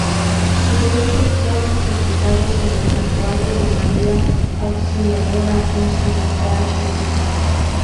Sus restos yacen sepultados en el Santuario de María Auxiliadora, en su natal Turín.